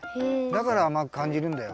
だからあまくかんじるんだよ。